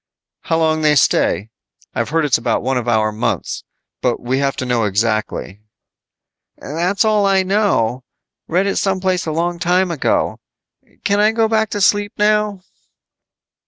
"How long they stay? I've heard it's about one of our months, but we have to know exactly." "That's all I know. Read it some place a long time ago. Can I go back to sleep now?"